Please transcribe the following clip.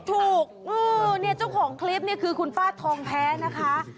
ถูกเนี่ยเจ้าของคลิปเนี่ยคือคุณป้าทองแพ้นะคะ